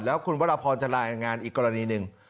แล้วคุณวรพรจะรายงานอีกกรณีหนึ่ง